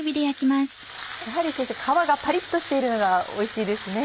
やはり皮がパリっとしているのがおいしいですね。